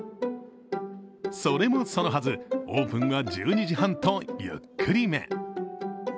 それもそのはず、オープンは１２時半とゆっくりめ。